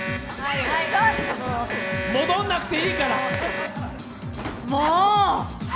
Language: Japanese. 戻らなくていいから。